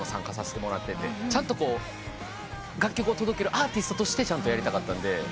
ちゃんと楽曲を届けるアーティストとしてやりたかったんで。